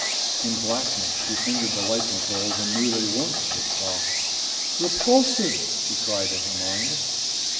In blackness, she fingered the light controls and knew they weren't switched off. "Repulsive!" she cried in her mind.